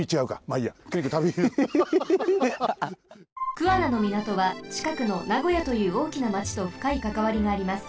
桑名のみなとはちかくの名古屋というおおきな町とふかいかかわりがあります。